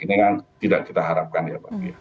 ini kan tidak kita harapkan ya pak